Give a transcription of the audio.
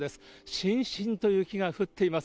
しんしんと雪が降っています。